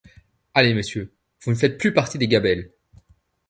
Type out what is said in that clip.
Allez, monsieur, vous ne faites plus partie des gabelles.